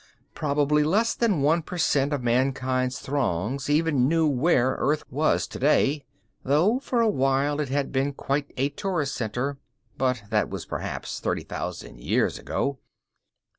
Probably less than one percent of mankind's throngs even knew where Earth was, today though, for a while, it had been quite a tourist center. But that was perhaps thirty thousand years ago.